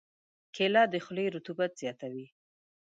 کېله د خولې رطوبت زیاتوي.